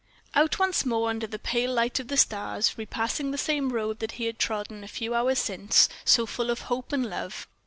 Out once more under the pale light of the stars, repassing the same road that he had trodden a few hours since, so full of hope and love.